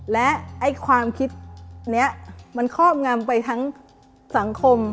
และความคิดนี้มันครอบงำไปทั้งสังคม